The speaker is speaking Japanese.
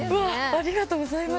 ありがとうございます。